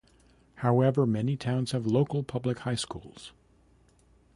However, many towns have local public high schools.